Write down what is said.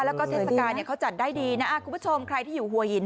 แล้วก็เทศกาลเขาจัดได้ดีนะคุณผู้ชมใครที่อยู่หัวหิน